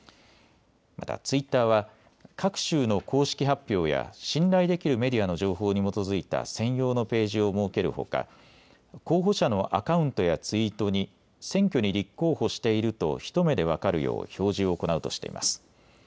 またツイッターは各州の公式発表や信頼できるメディアの情報に基づいた専用のページを設けるほか候補者のアカウントやツイートに選挙に立候補していると一目で分かるよう表示を行うとしています。